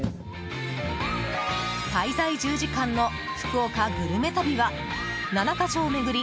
滞在１０時間の福岡グルメ旅は７か所を巡り